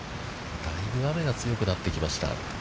だいぶ雨が強くなってきました。